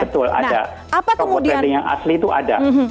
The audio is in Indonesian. betul ada robot trading yang asli itu ada